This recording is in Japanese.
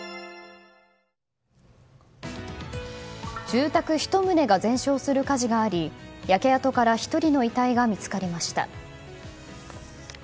住宅１棟が全焼する火事があり焼け跡から１人の遺体が見つかりました。